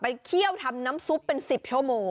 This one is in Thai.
เคี่ยวทำน้ำซุปเป็น๑๐ชั่วโมง